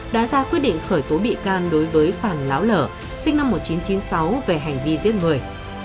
đã ra quyết định khởi tố bị can đối với phàn láo lở sinh năm một nghìn chín trăm chín mươi sáu về hành vi giết người